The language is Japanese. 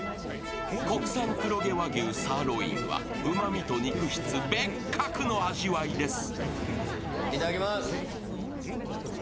国産黒毛和牛サーロインはうまみと肉質、別格の味わいです。